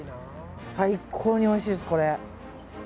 最高においしいです、これ。